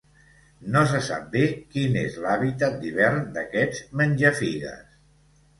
No se sap bé quin és l'hàbitat d'hivern d'aquest menjafigues.